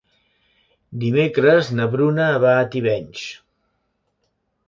Dimecres na Bruna va a Tivenys.